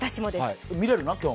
見れるの？